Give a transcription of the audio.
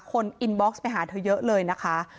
อินบ็อกซ์ไปหาเธอเยอะเลยนะคะ